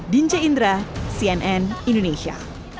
dinja indra cnn indonesia